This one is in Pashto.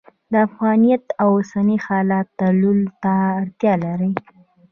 د افغانیت اوسني حالت تللو ته اړتیا لري.